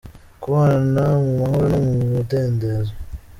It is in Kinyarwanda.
kubana mu mahoro no mu mudendezo.